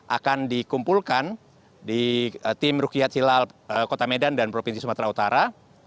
akan dikumpulkan di tim rukiat hilal kota medan dan provinsi sumatera utara